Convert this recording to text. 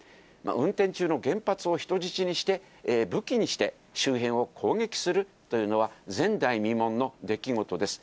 運転中の原発を人質にして、武器にして周辺を攻撃するというのは、前代未聞の出来事です。